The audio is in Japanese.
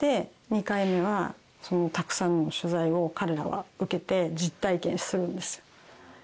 ２回目はたくさんの取材を彼らは受けて実体験するんですよ。